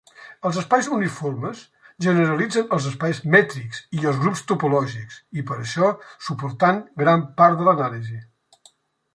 Els espais uniformes generalitzen els espais mètrics i els grups topològics i per això suportant gran part de l'anàlisi.